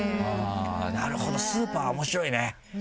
なるほどスーパーは面白いね。